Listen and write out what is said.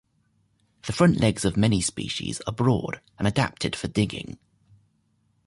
The front legs of many species are broad and adapted for digging.